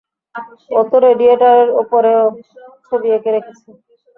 ও তো রেডিয়েটরের ওপরেও ছবি এঁকে রেখেছে!